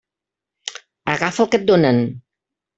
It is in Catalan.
Agafa el que et donen.